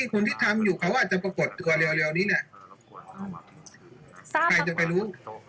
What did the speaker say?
ใครจะจะรู้